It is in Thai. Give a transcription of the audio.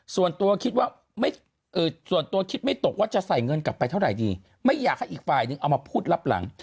ส่วนตัวคิดว่าส่วนตัวคิดไม่ตกว่าจะใส่เงินกลับไปเท่าไหร่ดีไม่อยากให้อีกฝ่ายนึงเอามาพูดรับหลัง